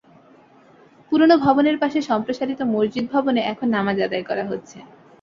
পুরোনো ভবনের পাশে সম্প্রসারিত মসজিদ ভবনে এখন নামাজ আদায় করা হচ্ছে।